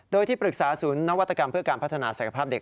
โดยที่ปรึกษาศูนย์นวัตกรรมเพื่อการพัฒนาศักยภาพเด็ก